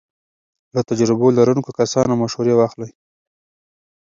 له تجربو لرونکو کسانو مشورې واخلئ.